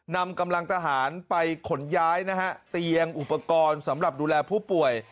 นำกำลังทหารไปขนย้ายนะฮะเตียงอุปกรณ์สำหรับดูแลผู้ป่วย